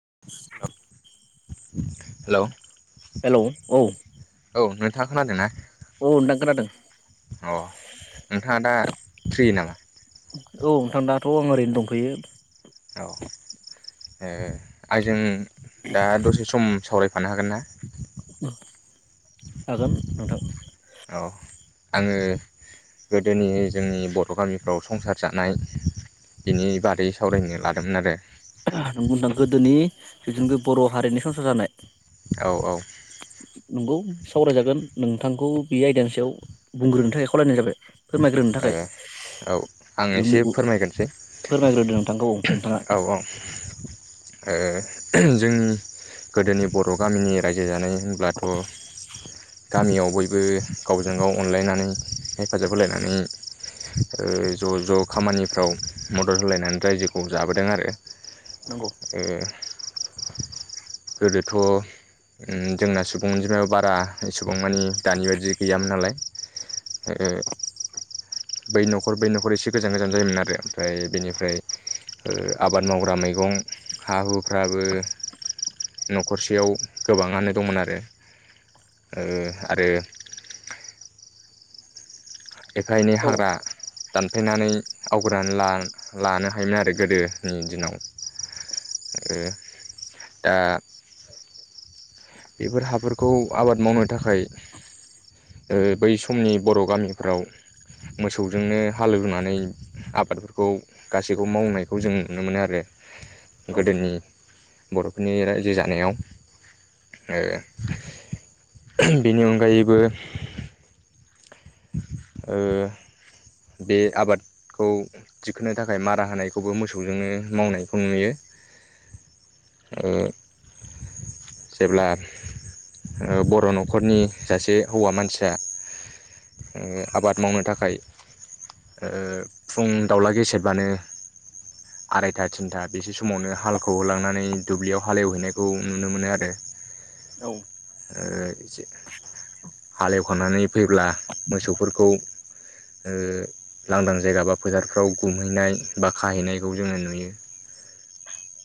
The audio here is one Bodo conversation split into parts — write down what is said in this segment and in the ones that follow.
[inaudible] हेलौ हेलौ औ औ नोंथाङा खोनादों ना औ नोंथां खोनादों अ नोंथाङा दा फ्रि नामा औ नोंथां दाथ आं ओरैनो दंथयो औ ओ आइजों दा दसे सम सावरायफानो हागोन ना हागोन नोंथां औ आङो गोदोनि जोंनि बर गामिफ्राव संसार जानाय बेनि बारै सावरायनो लादोंमोन आरो नंगौ नोंथां गोदोंनि जोंनि बर' हारिनि संसार जानाय औ औ नंगौ सावरायजागोन नोंथांखौ बे आयदानि सायाव बुंग्रोनो थाखाय खावलायनाय जाबाय फोरमायग्रोनो ओ थाखाय औ आं एसे एवनो फोरमायग्रोनोसै फोरमायग्रोदो नोंथां औ नोंथाङा औ औ ओ जोंनि गोदोनि बर' गामिनि रायजो जानाय होनब्लाथ गामियाव बयबो गावजों गाव अनलायनानै हेफाजाब होलायनानै ओ ज' ज' खामानिफ्राव मदद होलायनानै रायजोखौ जाबोदों आरो नंगौ ओ गोदोथ' उम जोंना सुबुं अनजिमायाव बारा सुबुं मानि दानि बादि गैयामोन नालाय ओ बै न'खर बै न'खर एसे गोजान गोजान जायोमोन आरो ओमफ्राय बेनिफ्राय ओ आबाद मावग्रा मैगं हा हुफ्राबो न'खरसेयाव गोबाङानो दंमोन आरो ओ आरो एफा एनै औ हाग्रा दानफायनानै आवग्रिनानै लानो लानो‌ हायोमोन आरो गोदोनि दिनाव दा बेफोर हाफोरखौ आबाद मावनो थाखाय ओ बै समनि बर' गामिफ्राव मोसौजोंनो हालेवनानै आबादफोरखौ गासैखौबो मावनायखौ जों नुनो मोनो आरो। औ गोदोनि बर'फोरनि रायजो जानायाव ओ बेनि अनगायैबो ओ बे आबादखौ थिखोनो थाखाय मारा होनायखौबो मोसौजोंनो मावनायखौ नुयो। ओ जेब्ला ओ बर' न'खरनि सासे हौवा मानसिया ओ आबाद मावनो थाखाय ओ फुं दाउला गेसेेरबानो आरायथा थिनथा बेसे समावनो हालखौ होलांनानै दुब्लियाव हाल एवहैनायखौ नुनो मोनो आरो। औ हालेवखांनानै फैब्ला मोसौफोरखौ ओ लांदां जायगा बा फोथारफ्राव गुमहैनाय बा खाहैनायखौ जोङो नुयो। [inaudible] [unintelligible]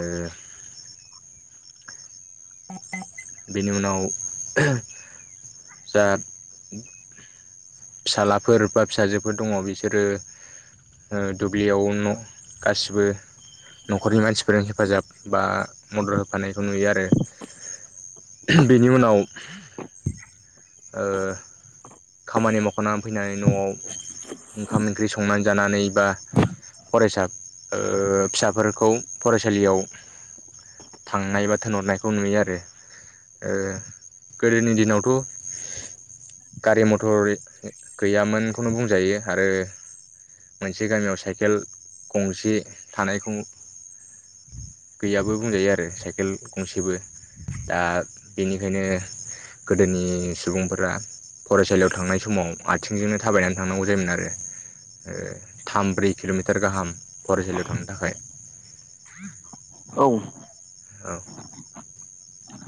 ओ [unintelligible] [unintelligible] बेनि उनाव जा फिसालाफोर बा फिसाजोफोर दङ बिसोरो ओ दुब्लियाव न' गासिबो न'खरनि मानसिफोरजों हेफाजाब बा मदद होफानायखौ नुयो आरो। बेनि उनाव ओ खामानि मावखांनानै फैनानै न'आव ओंखाम- ओंख्रि संनानै जानानै बा फरायसा फिसाफोरखौ फरायसालियाव थांनाय बा थिनहरनायखौ नुयो आरो। ओ गोदोनि दिनावथ' गारि- मथर गैयामोनखौनो बुंजायो आरो मोनसे गामियाव साइकेल गंसे थानायखौ गैयाबो बुंजायो आरो साइकेल गंसेबो दा बेनिखायनो गोदोनि सुबुंफोरा फरायसालियाव थांनाय समाव आथिंजोंनो थाबायनानै थांनांगौ जायोमोन आरो। ओ थाम ब्रै किल'मिटार गाहाम फरायसालियाव थांनो थाखाय। औ। औ। औ।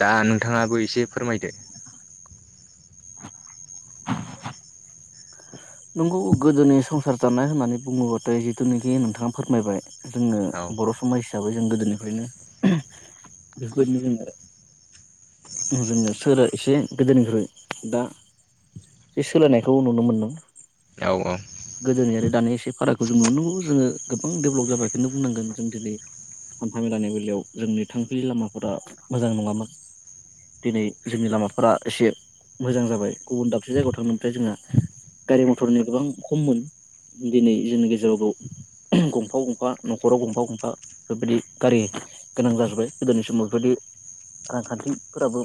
दा नोंथाङाबो एसे फोरमायदो। नोंगौ गोदोनि संसार जानाय होननानै बुङोबाथाय जिथुनाखि नोंथाङा फोरमायबाय। जोङो औ बर' समाज हिसाबै जों गोदोनिफ्रायनो बेफोरबायदिनो जोङो जोनो सोरो एसे गोदोनिख्रुइ दा बे सोलायनायखौ नुनो मोनो। औ औ गोदोनि आरो दानाय एसे फारागखौ जों नुनो मोनो जोङो गोबां डेभेलप जाबायखौनो बुंनांगोन जों दिनै हान्था मेलानि बेलायाव जोंनि थांफिलि लामाफोरा मोजां नङामोन। दिनै जोंनि लामाफोरा एसे मोजां जाबाय गुबुन दाबसे जायगायाव थांनायनिथाय जोंहा। गारि- मथरनि गोबां खममोन दिनै जोंनि गेजेरावबो गंफा -गंफा न'खराव गंफा- गंफा बेफोरबायदि गारि गोनां जाजोब्बाय गोदोनि समाव बेफोरबायदि रांखान्थिफोराबो।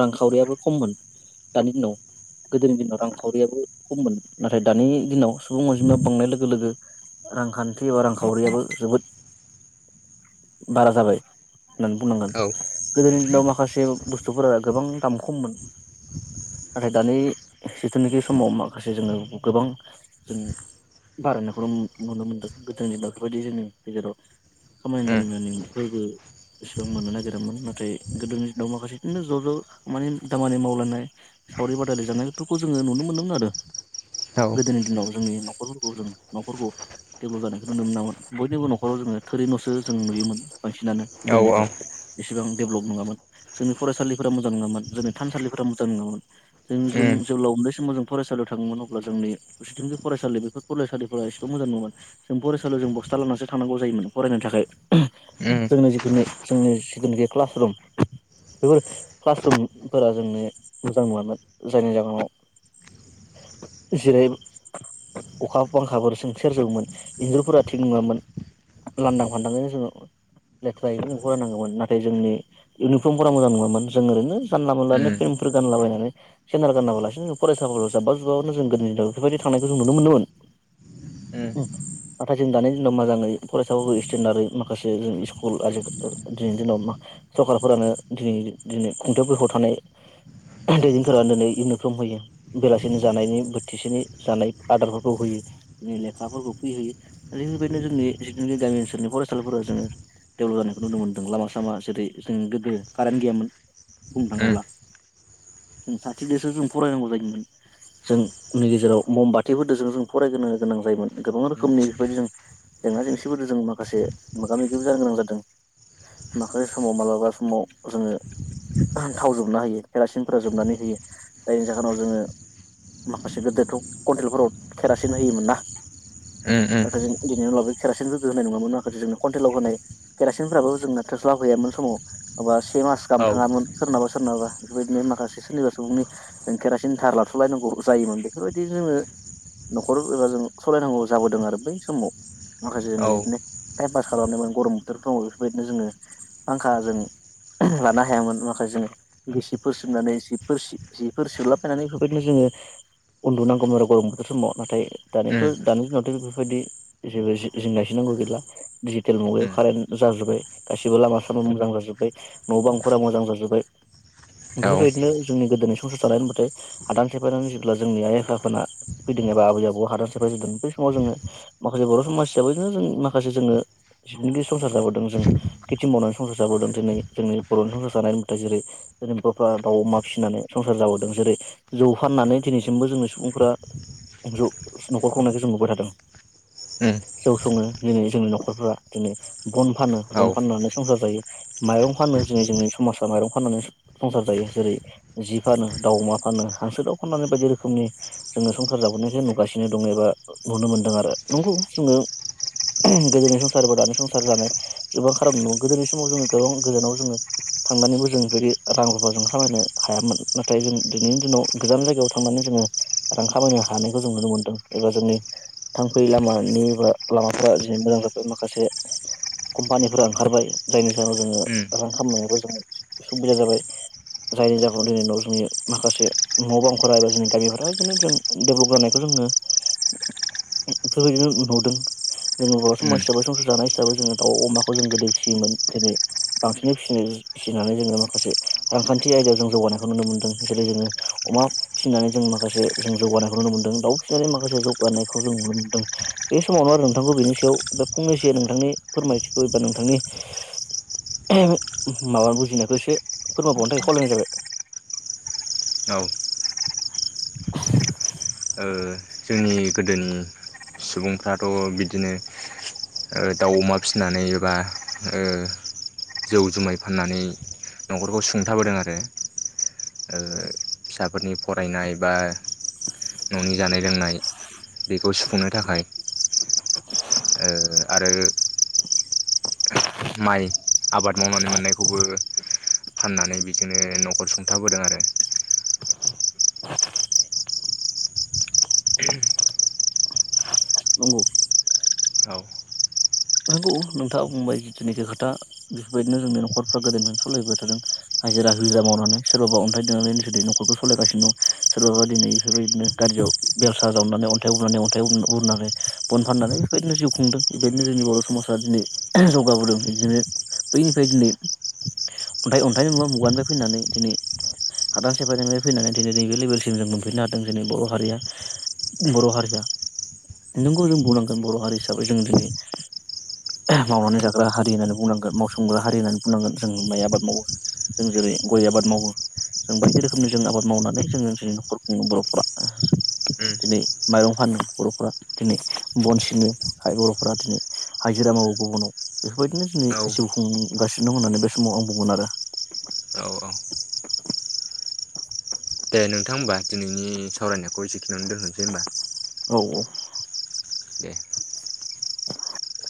रांखावरियाबो खममोन दानि दिनाव गोदोनि दिनाव रांखावरि खावरियाबो खममोन नाथाय दानि दिनाव सुबुं अनजिमा बांनाय लोगो -लोगो रांखान्थि एबा रांखावरियाबो जोबोद बारा जाबाय। होननानै बुंनांगोन औ गोदोनि उनाव माखासे बुस्थुफोरा गोबां दाम खममोन नाथाय दानि जिथुनाखि समाव माखासे जोङो गोबां जों बारायनायखौल' नुनो मोनदों गोदोनि बेफोरबायदि जोंनि गेजेराव खामाय उम दामानिबो बेसेबां मोननो नागिरदोंमोन नाथाय गोदोनि दिनाव माखासे बिदिनो ज' ज' मानानि दामानि मावलायनाय सावरि बादायलाय जानायफोरखौ जोङो नुनो मोनदोंमोन आरो औ गोदोनि दिनाव जोंनि न'खरफोरखौ जों न'खरखौ डेभेलप जानायखौ नुनो मोनामोन बयनिबो नखराव जोङो थोरि न'सो जों नुयोमोन बांसिनानो औ गोदोनि औ दिनाव एसेबां डेभेलप नङामोन जोंनि फरायसालिफोरा मोजां नङामोन जोंनि थानसालिफोरा [unintelligible] जों जों उम जेब्ला उन्दै समाव जों फरायसालियाव थाङोमोन अब्ला जोंनि खौसेथिंखि फरायसालि बेफोर फरायसालिफोरा एसेबां मोजां मोनोन जों फरायसालियाव जों बस्था लानानानैसो थांनांगौ जायोमोन फरायनो थाखाय उम जोंनि जिखुननि जोंनि जिखुनिखि क्लासरुम बेफोर क्लासरुमफोरा जोंनो मोजां नङामोन जायनि जाहोनाव [inaudible] जेरै अखा बांखाफोर सों सेरजोबोमोन इन्जुरफोरा थिग नङामोन। लांदां फानदां गोजासो लेथ्रायैनो जों फराय नांगौमोन। नाथाय जोंनि इउनिफ्रमफोरा मोजां नङामोन। जों ओरैनो जानला मोनलानो उम उम हिफोर गानला बायनानै सेन्देल गाना [unintelligible] जोंनो फरायसाफोराव जाब्बा जुब्बाबनो जों गोदोनि दिनाव बेफोरबायदि थांनायखौ जों नुनो मोनोमोन। उम नाथाय जों दानि दिनाव मोजाङै फरायसाफोरखौ इस्टेनडारै माखासे जों स्कुल आजि खा दिनैनि दिनाव सरखारफोरानो दिनै दिनै खुंथायफोरखौ थानाय दैदेनफोरा दिनै इगनर सम होयो बेलासिनि जानायनि बोथिसेनि जानाय आदारफोरखौ होयो, बिनो लेखाफोरखौ फैयो। आरो बेबायदिनो जोंनि जिथुखि गामि ओनसोलनि फरायसालिफोरााव जोङो डेभल'प जानायखौ नुनो मोनदों। लामा सामा जेरै जों गोदो कारेन्ट गैयामोन। बुंनो थाङोब्ला जों साथिजोंसो जों फरायनांगौ जायोमोन। जोंनि गेजेराव मम बाथिफोरजोंजों जों फरायग्रोनो गोनां जायोमोन। गोबां उम रोखोमनि बेफोरबायदि जों जेंना जेंसिफोर जों माखासे मोगा मोगिबो जानो गोनां जादों। माखासे समाव मालाबा समाव जोङो थाव जोबना होयो। केरासिनफोरा जोबनानै होयो। जायनि जाहोनाव जोङो माखासे गोदोथ' कन्टेलफोराव केरासिन होयोमोन ना। उम उम आरो जों बेनि उनाव ओ केेरासिन [unintelligible] नङा मोन ना जों कन्टेलाव होनाय केरासिनफ्राबो जोंना थोस्लाब हैयामोन समाव। से मास गाहाम औ थाङामोन सोरनाबा सोरनाबा बेफोरबायदिनो माखासे सोरनिबा सुबुंनि जों केरासिन धार लाथ'लायनांगौ जायोमोन बेफोरबायदि जोङो न'खर एबा जों सालायनांगौ जाबोदों आरो बै समाव माखासे औ जोङो बिदिनो टाइम पास खालामनो ओं गरम बोथोरफ्राव बेफोरबायदिनो जोङो फांखाजों लानो हायामोन माखासे जों गिसिबफोर सिबनानै सिफोर सि जिफोर सोलाबायनानै बेफोरबायदिनो जोङो उन्दुनांगौमोन आरो गरम बोथोर समाव। नाथाय उम दानिथ' दानि दिनावथ' बेफोरबायदि जेबो जिंगा सिनांगौ गौ गैला डिजिटेल मुगायाव उम कारेन जाजोबबाय गासिबो लामा सामा मोजां जाजोबाय न' बां फोरा मोजां जाजोब्बाय औ बेफोरबायदिनो जोंनि गोदोनि सम संसार जानाय होनबाथाय आदान सेेफायना जेब्ला जोंनि आइ आफा फोना फैदों एबा आबै आबौ हादान साफाय जादों। बेै समाव जोङो माखासे बर' समाज हिसाबै इदिनो जों माखासे जोङो [unintelligible] दि संसार जाबोदों। जों खेथि मावनानै संसार जाबोदों। दिनै जोंनि बर'नि संसार जानाय मुथाय जेरै जेनेम दफा दाउ, अमा फिसिनानै संसार जाबोदों जेरै जौ फाननानै दिनैसिमबो जोंनि सुबुंफ्रा जौ न'खर खुंनायखौ जों नुबाय थादों। ओ जौ सङो दिनै जोंनि न'खरफ्रा दिनै बन फानो औ बन फाननानै संसार जायो माइरं फानो। ओ दिनै जोंनि समाजा माइरं फाननानै संसार जायो। जेरै जि फानो दाउ, अमा फानो हांसो, दाउ फाननानै बायदि रोखोमनि जोङो संसार जाबोनायखो नुगासिनो दङ एबा नुनो मोनदों आरो नंगौ जोङो गोदोनि संसार बा दानि संसार जानाय गोबां खाराब न', गोदोनि समाव जोङो गोबां गोजानाव जोङो थांनानैबो जों बेफोरदि रां रुफाजों खामायनो हायामोन नाथाय जों दिनैनि दिनाव गोजान जायगायाव थांनानै जोङो रां खामायनो हानायखौ जों नुनो मोन्दों। ओ जोंनि थां फै लामानि बा लामाफोरा दिनै मोजां जाबाय। माखासे कम्पानिफोरा ओंखारबाय जायनि जाहोनाव जोङो उम रां खामनायबो जों सुबिदा जाबाय। जायनि जाहोनाव दिनै न' जोंनि माखासे न' बांफोरा एबा जोंनि गामिफोरा बिदिनो जों डेभल'प जानायखौ जोङो [inaudible] फोर बायदिनो नुदों। जोङो बर' समाज उम हिसाबै संसार जानाय हिसाबै जोङो दाउ, अमखौ जों गोदो फियोमोन दिनै बांसिनै फिसिनो फिसिनानै जोङो माखासे रांखान [unintelligible] आयदायाव जों जौगानायखौ नुनो मोन्दों जेरै जोङो अमा फिसिनानै जों माखासे जों जौगानायखौ नुनो मोनदों दाउ माखासे जौगानायखौ जों नुनो मोनदों बे समावनो आरो नोंथांखौ बेनि सायाव बे फंनैसो नोंथांनि फोरमायथिखौ एबा नोंथांनि माबा बुजिनायखौ एसे फोरमायाबावनो थाखाय खावलायनाय जाबाय। औ ओ जोंनि गोदोनि सुबुंफ्राथ' बिदिनो ओ दाउ अमा फिसिनानै एबा ओ जौ जुमाय फाननानै न'खरखौ सुंथाबोदों आरो। ओ फिसाफोरनि फरायनाय बा न'नि जानाय लोंनाय बेखौ सुफुंनो थाखाय ओ आरो माइ आबाद मावनानै मोननायखौबो फाननानै बिदिनो न'खर सुंथाबोदों आरो [inaudible] [unintelligible] नंगौ। औ। नंगौ नोंथाङा बुंबाय जिथुनाखि खोथा बेफोरबायदिनो जोंनि न'खरफ्रा गोदोनिफ्रायनो सलिबोबाय थादों। हाजिरा हुजिरा मावनानै सोरबाबा अन्थाइ देनानैनो न'खरखौ सालायगानोङ सोरबाबा दिनै बेफोरबायदिनो गाज्रि बेयाव बेलसा जावनानै अन्थाइ उरनानै अन्थाइ बुरनानै बन फाननानै बेफोरबायदिनो जिउ खुंदों बेबायद बिदिनो जोंनि बर' समाजा दिनै जौगाबोदों बिदिनो बैनिफ्राय दिनै अन्थाइ अन्थाइनि मुगा मुगानिफ्राय फैनानै दिनै हादान सेफायनायनिफ्राय फैनानै दिनै नैबे लेभेलसिम जों मोनफैनो हादों जोंनि बर' हारिया। बर' हारिया नोंखौ जों बुंनांगोन बर' हारि हिसाबै जों दिनै [inaudible] मावनानै जाग्रा हारि होननानै बुंनांगोन मावसोमग्रा हारि होननानै बुंनांगोन जों माइ आबाद मावो जों जेरै गय आबाद मावो जों बायदि रोखोमनि जों आबाद मावनानै जोंङो ओनसोलनि न'खर खुङो बर'फोरा। उम दिनै माइरं फानो बर'फोरा दिनै बन सिनो बर' फोरा दिनै हाजिरा मावो गुबुनाव बेफोरबायदिनो दिनै औ जिउ खुंगासिनो दं होननानै बे समाव आं बुंगोन आरो। औ औ। दे नोंथां होमबा दिनैनि सावरायनायखौ एसेखिनियावनो दोनथ'नोसै होमबा। औ औ दे। [inaudible]